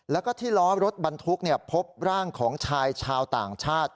แล้วก็ที่ล้อรถบรรทุกพบร่างของชายชาวต่างชาติ